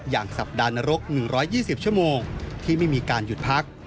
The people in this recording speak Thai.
อย่างสัปดาห์นรก๑๒๐ชมที่ไม่มีการหยุดพัก